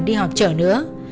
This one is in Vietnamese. đi họp chợ nữa